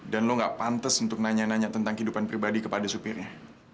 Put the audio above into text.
dan lo gak pantes untuk nanya nanya tentang kehidupan pribadi kepada supirnya